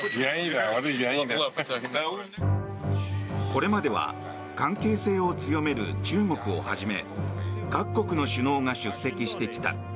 これまでは関係性を強める中国をはじめ各国の首脳が出席してきた。